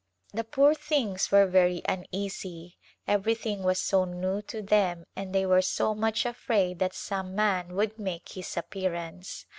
The poor things were very uneasy, everything was so new to them and they were so much afraid that some man would make his appear ance.